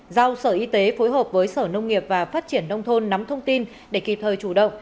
giao sở y tế phối hợp với sở nông nghiệp và phát triển nông thôn nắm thông tin để kịp thời chủ động